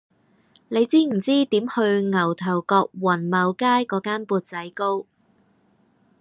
你知唔知點去牛頭角宏茂街嗰間缽仔糕